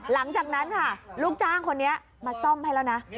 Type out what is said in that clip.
หลังจากนั้นค่ะลูกจ้างคนนี้มาซ่อมให้แล้วนะ